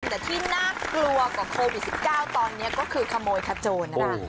แต่ที่น่ากลัวกว่าโควิด๑๙ตอนนี้ก็คือขโมยขโจรนะคะ